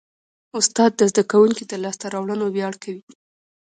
استاد د زده کوونکي د لاسته راوړنو ویاړ کوي.